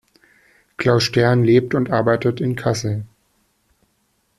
Klaus Stern lebt und arbeitet in Kassel.